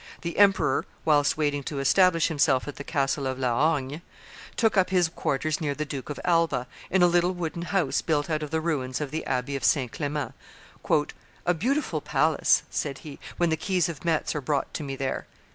The emperor, whilst waiting to establish himself at the castle of La Horgne, took up his quarters near the Duke of Alba, in a little wooden house built out of the ruins of the Abbey of Saint Clement: "a beautiful palace," said he, "when the keys of Metz are brought to me there."